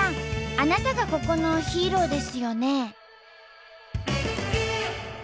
あなたがここのヒーローですよね？